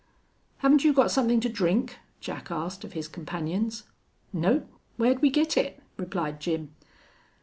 "Haven't you got something to drink?" Jack asked of his companions. "Nope. Whar'd we git it?" replied Jim.